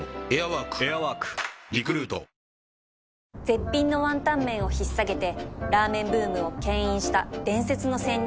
絶品のワンタン麺を引っ提げてラーメンブームをけん引した伝説の仙人